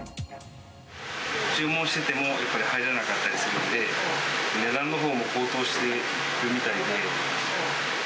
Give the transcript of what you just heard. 注文してても、やっぱり入らなかったりするんで、値段のほうも高騰してるみたいで。